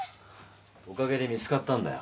おかげで見つかったんだよ。